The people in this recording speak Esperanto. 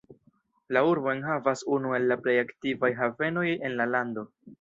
La urbo enhavas unu el la plej aktivaj havenoj en la lando.